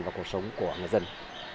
và cuộc sống của người dân